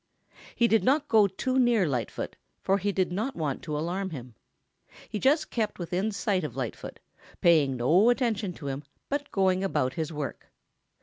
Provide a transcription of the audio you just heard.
He did not go too near Lightfoot, for he did not want to alarm him. He just kept within sight of Lightfoot, paying no attention to him but going about his work.